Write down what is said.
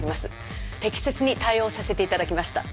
適切に対応させて頂きました。